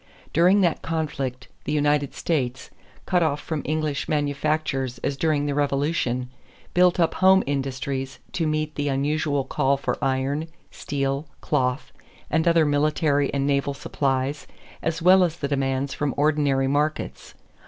During that conflict, the United States, cut off from English manufactures as during the Revolution, built up home industries to meet the unusual call for iron, steel, cloth, and other military and naval supplies as well as the demands from ordinary markets.